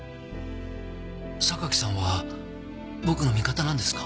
榊さんは僕の味方なんですか？